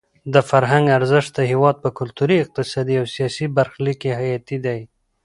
د فرهنګ ارزښت د هېواد په کلتوري، اقتصادي او سیاسي برخلیک کې حیاتي دی.